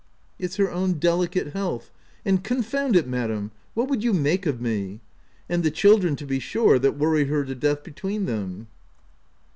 '' "It's her own delicate health, and — confound it, madam ! what would you make of me ?— and the children, to be sure, that worry her to death between them."